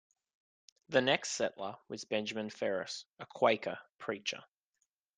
The next settler was Benjamin Ferris, a Quaker preacher.